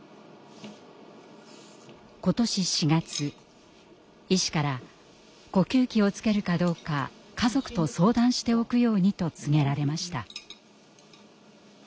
今年４月医師から呼吸器をつけるかどうか家族と相談しておくようにと告げられました。